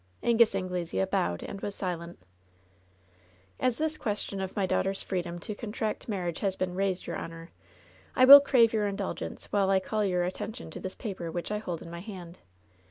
Angus Anglesea bowed and was silent. "As this question of my daughter's freedom to con tract marriage has been raised, your honor, I will crave your indulgence while I call your attention to this paper which I hold in my hand.